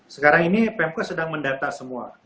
sekarang ini pmk sedang mendata semua